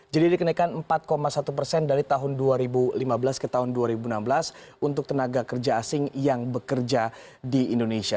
jadi dikenakan empat satu persen dari tahun dua ribu lima belas ke tahun dua ribu enam belas untuk tenaga kerja asing yang bekerja di indonesia